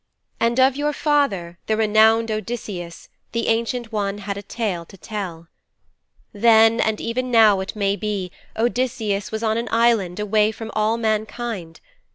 And of your father, the renowned Odysseus, the Ancient One had a tale to tell. 'Then, and even now it may be, Odysseus was on an island away from all mankind.